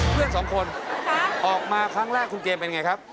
เพื่อนสองคนออกมาครั้งแรกคุณเกมเป็นไงครับ